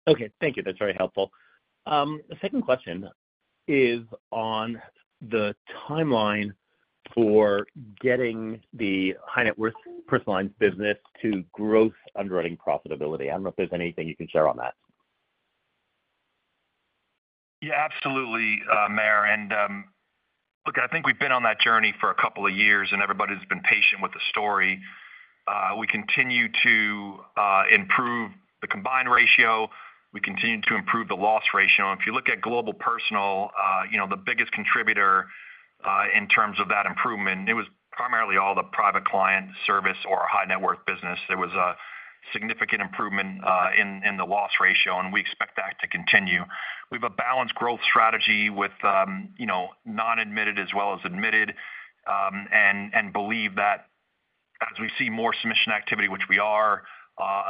Okay, thank you, that's very helpful. The second question is on the timeline. For getting the high-net-worth personal. Lines business to growth underwriting profitability. I don't know if there's anything you. Can share on that. Yeah, absolutely, Meyer. And look, I think we've been on that journey for a couple of years and everybody's been patient with the story. We continue to improve the combined ratio, we continue to improve the loss ratio. If you look at Global Personal, you know the biggest contributor in terms of that improvement, it was primarily all the Private Client Service or high net worth business. There was significant improvement in the loss ratio and we expect that to continue. We have a balanced growth strategy with non-admitted as well as admitted and believe that as we see more submission activity which we are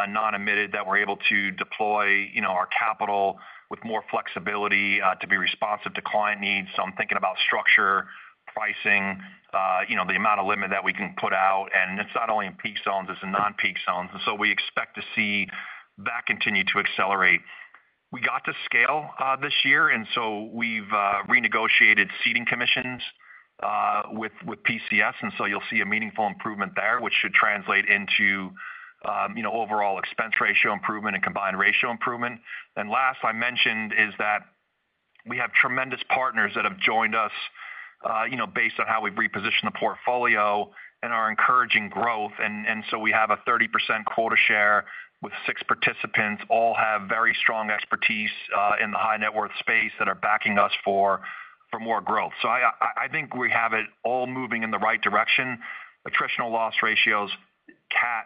non-admitted that we're able to deploy our capital with more flexibility to be responsive to client needs. So I'm thinking about structure, pricing, the amount of limit that we can put out and it's not only in peak zones, it's in non-peak zones. So we expect to see that continue to accelerate. We got to scale this year and so we've renegotiated ceding commissions with PCS and so you'll see a meaningful improvement there which should translate into overall expense ratio improvement and combined ratio improvement. And last I mentioned is that we have tremendous partners that have joined us based on how we've repositioned the portfolio and are encouraging growth. We have a 30% quota share with six participants. All have very strong expertise in the high net worth space that are backing us for more growth. I think we have it all moving in the right direction. Attritional loss ratios, CAT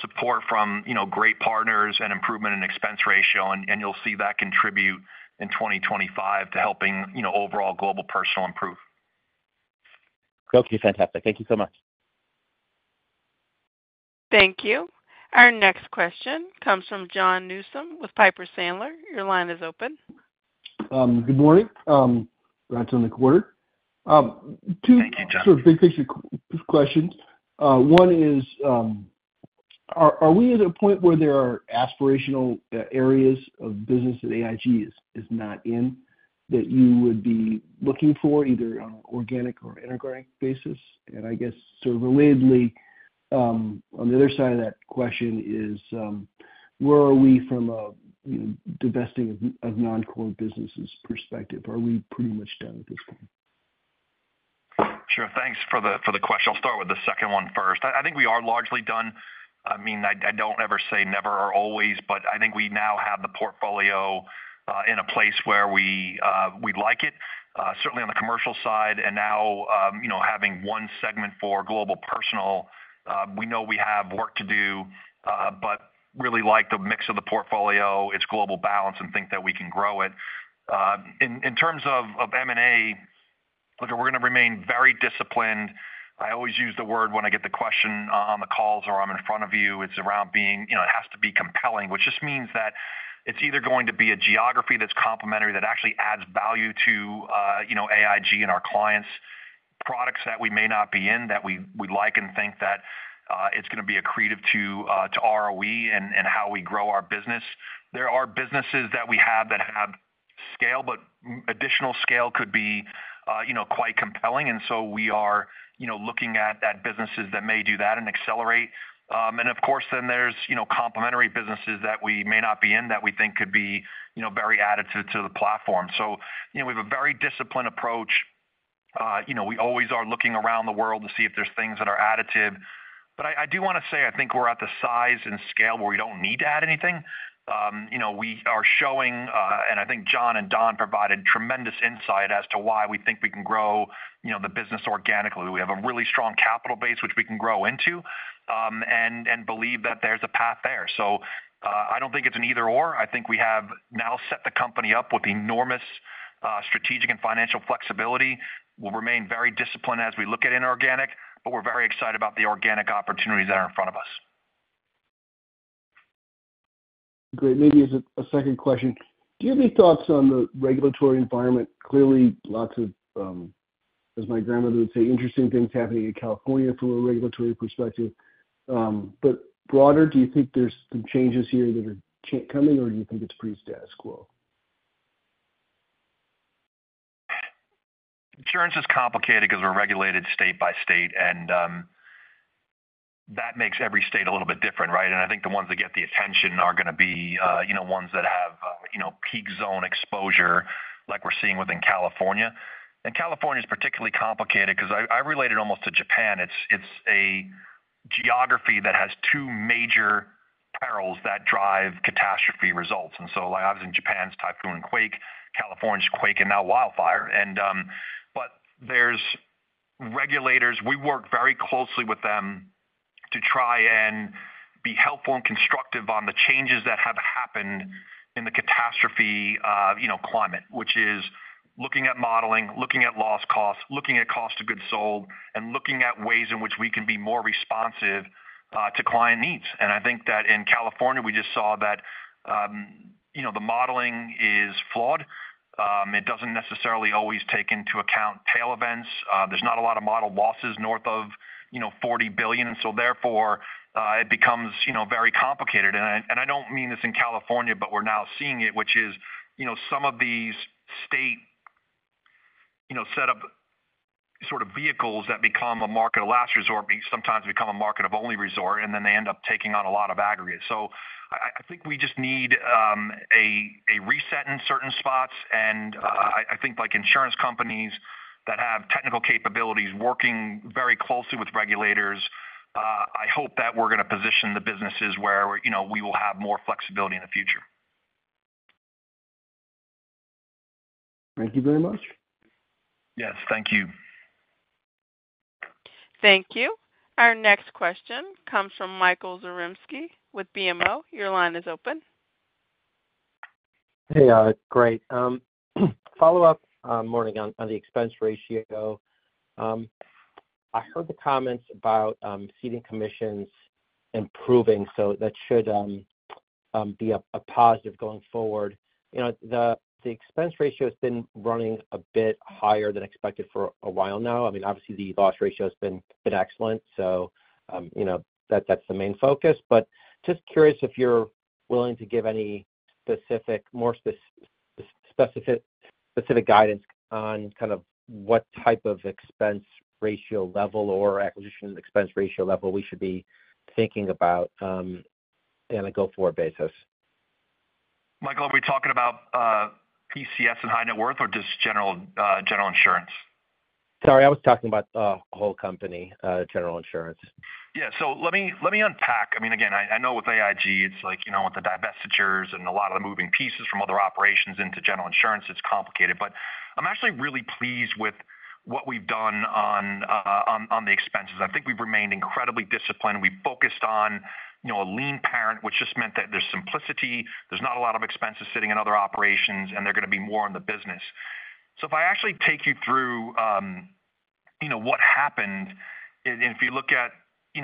support from great partners and improvement in expense ratio and you'll see that contribute in 2025 to helping overall Global Personal improve. Okay, fantastic. Thank you so much. Thank you. Our next question comes from Jon Newsome with Piper Sandler. Your line is open. Good morning, congrats on. The quarter two big picture questions. One is, are we at a point where there are aspirational areas of business at AIG that it is not in that you would be looking for either on an organic or inorganic basis? And I guess sort of relatedly, on the other side of that question, is where are we from a divesting of non-core businesses perspective? Are we pretty much done at this point? Sure. Thanks for the question. I'll start with the second one first. I think we are largely done. I mean I don't ever say never or always but I think we now have the portfolio in a place where we like it, certainly on the commercial side and now having one segment for Global Personal. We know we have work to do but really like the mix of the portfolio, its global balance and think that we can grow it in terms of M&A. We're going to remain very disciplined. I always use the word when I get the question on the calls or I'm in front of you. It's around being, you know, it has to be compelling. Which just means that it's either going to be a geography that's complementary that actually adds value to AIG and our clients' products that we may not be in that we like and think that it's going to be accretive to ROE and how we grow our business. There are businesses that we have that have scale but additional scale could be quite compelling. And so we are looking at businesses that may do that and accelerate. And of course then there's complementary businesses that we may not be in that we think could be very additive to the platform. So we have a very disciplined approach. We always are looking around the world to see if there's things that are additive. But I do want to say I think we're at the size and scale where we don't need to add anything. We are showing and I think Jon and Don provided tremendous insight as to why we think we can grow the business organically. We have a really strong capital base which we can grow into and believe that there's a path there. So I don't think it's an either or. I think we have now set the company up with enormous strategic and financial flexibility. We'll remain very disciplined as we look at inorganic but we're very excited about the organic opportunities that are in front of us. Great. Maybe as a second question, do you have any thoughts on the regulatory environment? Clearly lots of, as my grandmother would say, interesting things happening in California from a regulatory perspective, but broader. Do you think there's some changes here that are coming or do you think. It's pretty status quo? Insurance is complicated because we're regulated state by state and that makes every state a little bit different. Right. I think the ones that get the attention are going to be, you know, ones that have, you know, peak zone exposure like we're seeing within California. California is particularly complicated because I relate it almost to Japan. It's a geography that has two major perils that drive catastrophe results. So I was in Japan's typhoon quake, California's quake, and now wildfire. But there are regulators. We work very closely with them to try and be helpful and constructive on the changes that have happened in the catastrophe climate, which is looking at modeling, looking at loss costs, looking at cost of goods sold, and looking at ways in which we can be more responsive to client needs. I think that in California we just saw that the modeling is flawed. It doesn't necessarily always take into account tail events. There's not a lot of modeled losses north of $40 billion. So therefore it becomes very complicated, and I don't mean this in California, but we're now seeing it which is. Some of these states set up sort. E&S vehicles that become a market of last resort, sometimes become a market of only resort, and then they end up taking on a lot of aggregate. So I think we just need a reset in certain spots, and I think like insurance companies that have technical capabilities working very closely with regulators, I hope that we're going to position the businesses where we will have more flexibility in the future. Thank you very much. Yes, thank you. Thank you. Our next question comes from Michael Zaremski with BMO. Your line is open. Hey, great follow up morning on the expense ratio. I heard the comments about ceding commissions improving, so that should be a positive going forward. You know, the expense ratio has been running a bit higher than expected for a while now. I mean, obviously the loss ratio has been excellent, so, you know, that's the main focus. But just curious if you're willing to give any specific guidance on kind of what type of expense ratio level or acquisition expense ratio level we should be thinking about on a go forward basis. Michael, are we talking about PCS and high net worth or just general? General Insurance. Sorry, I was talking about whole company General Insurance. Yeah. So let me unpack. I mean again, I know with AIG it's like, you know, with the divestitures and a lot of the moving pieces from other operations into General Insurance. It's complicated, but I'm actually really pleased with what we've done on the expenses. I think we've remained incredibly disciplined. We focused on a lean parent, which just meant that there's simplicity, there's not a lot of expenses sitting in other operations and they're going to be more in the business. So if I actually take you through. What happened, if you look at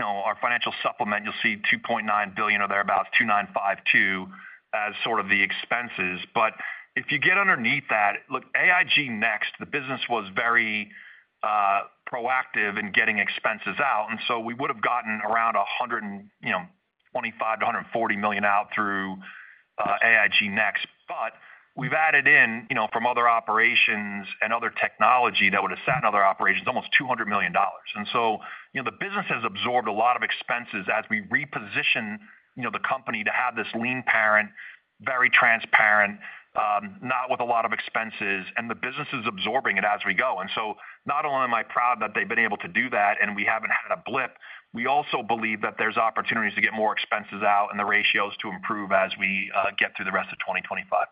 our financial supplement, you'll see $2.9 billion or thereabouts, 2.952 as sort of the expenses. But if you get underneath that look, AIG Next. The business was very proactive in getting expenses out. And so we would have gotten around $125 million-$140 million out through AIG Next. But we've added in from other operations and other technology that would have sat in other operations, almost $200 million. And so the business has absorbed a lot of exposure expenses as we reposition the company to have this lean parent. Very transparent, not with a lot of expenses, and the business is absorbing it as we go. And so not only am I proud that they've been able to do that and we haven't had a blip, we also believe that there's opportunities to get more expenses out and the ratios to improve as we get through the rest of 2025.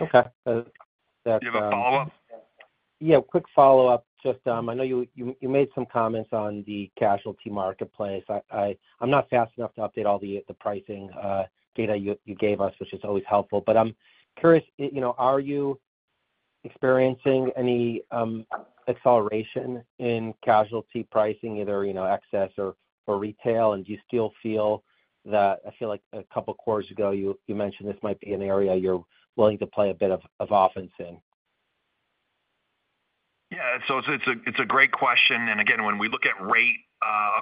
Okay, do you have a follow up? Yeah, quick follow up. I know you made some comments on the Casualty marketplace. I'm not fast enough to update all the pricing data you gave us, which is always helpful. But I'm curious, are you experiencing any acceleration in Casualty pricing, either excess or retail? And do you still feel that? I feel like a couple quarters ago you mentioned this might be an area you're willing to play a bit of offense in. Yeah. So it's a great question. And again, when we look at rate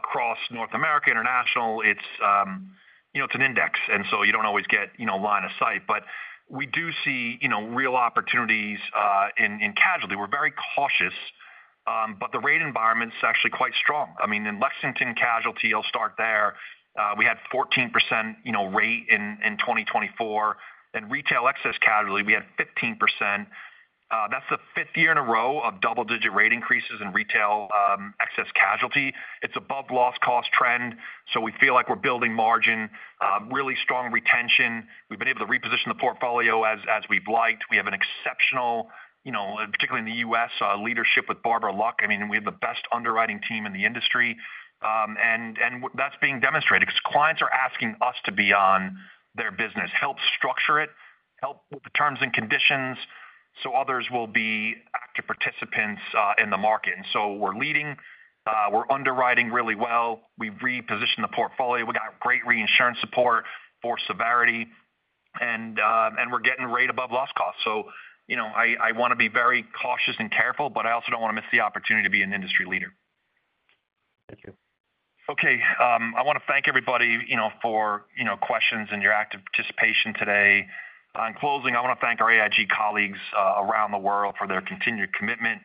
across North America International, it's an index, and so you don't always get line of sight. But we do see real opportunities in casualty. We're very cautious, but the rate environment is actually quite strong. In Lexington Casualty, I'll start there. We had 14% rate in 2024, and retail excess casualty, we had 15%. That's the fifth year in a row of double-digit rate increases in retail excess casualty. It's above loss cost trend. So we feel like we're building margin, really strong retention. We've been able to reposition the portfolio as we've liked. We have an exceptional, particularly in the U.S., leadership with Barbara Luck. We have the best underwriting team in the industry and that's being demonstrated because clients are asking us to be on their business, help structure it, help with the terms and conditions so others will be active participants in the market, and so we're leading, we're underwriting really well. We reposition the portfolio. We got great reinsurance support for severity, and we're getting right above loss costs, so, you know, I want to be very cautious and careful, but I also don't want to miss the opportunity to. Be an industry leader. Thank you. Okay. I want to thank everybody for questions and your active participation today. In closing, I want to thank our AIG colleagues around the world for their continued commitment,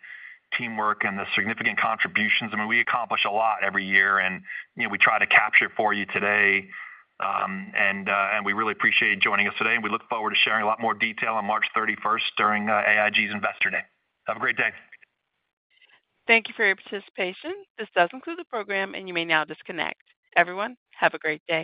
teamwork, and the significant contributions. We accomplish a lot every year and we try to capture for you today, and we really appreciate you joining us today, and we look forward to sharing a lot more detail on March 31st during AIG's Investor Day. Have a great day. Thank you for your participation. This does conclude the program. And you may now disconnect everyone. Have a great day.